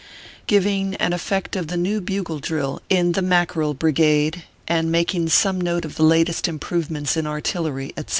GIVING AN EFFECT OF THE NEW BUGLE DRILL IN THE MACKEREL BRIGADE, AND MAKING SOME NOTE OF THE LATEST IMPROVEMENTS IN ARTILLERY, ETC.